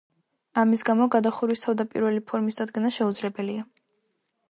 ამის გამო გადახურვის თავდაპირველი ფორმის დადგენა შეუძლებელია.